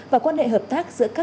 và quan hệ hợp tác giữa các cơ quan